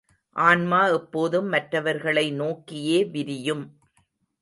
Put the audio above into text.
ஆன்மா எப்போதும் மற்றவர்களை நோக்கியே விரியும்.